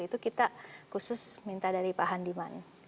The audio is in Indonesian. itu kita khusus minta dari pak handiman